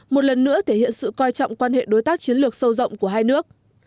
một lần nữa thể hiện sự coi trọng quan hệ đối tác chiến lược sâu rộng của hai nước